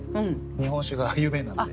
日本酒が有名なんで。